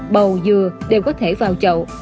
bầu dừa đều có thể vào chậu